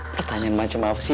pertanyaan macam apa sih